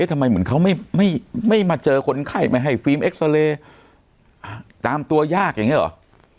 เอ๊ะทำไมเหมือนเขาไม่ไม่ไม่มาเจอคนไข้ไม่ให้ฟิล์มเอ็กซาเลตามตัวยากอย่างเงี้ยเหรอ